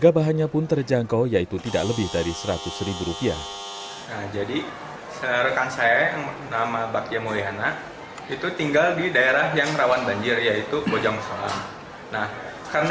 alat ciptaan olivier pun cukup singkat yaitu kurang dari sepekan